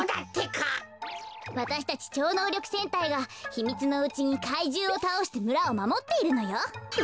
わたしたちちょうのうりょくせんたいがひみつのうちに怪獣をたおしてむらをまもっているのよ。